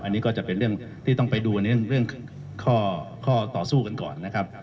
อันนี้ก็จะเป็นเรื่องที่ต้องไปดูในเรื่องข้อต่อสู้กันก่อนนะครับ